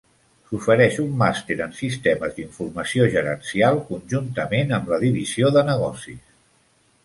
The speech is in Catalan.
S'ofereix un màster en Sistemes d'Informació Gerencial conjuntament amb la Divisió de Negocis.